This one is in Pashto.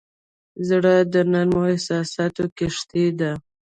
زړه د نرمو احساساتو کښتۍ ده.